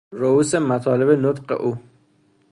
رئوس مطالب نطق او